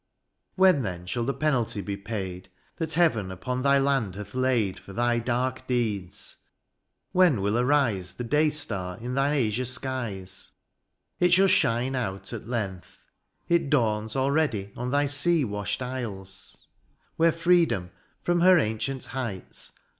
When shall the penalty be paid. That heaven upon thy land hath laid For thy dark deeds ? When will arise The day star in thine azure skies ? It shall shine out at length : it dawns Already on thy sea washed isles. 8 DIONYSIUS, Where freedom, from her ancient heights.